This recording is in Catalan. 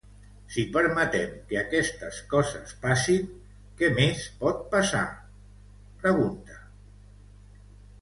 Si permetem que aquestes coses passin, què més pot passar?, pregunta.